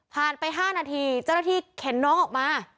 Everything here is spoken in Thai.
ไป๕นาทีเจ้าหน้าที่เข็นน้องออกมา